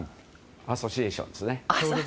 アソシエーションですね。